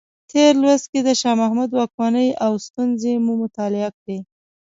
تېر لوست کې د شاه محمود واکمنۍ او ستونزې مو مطالعه کړې.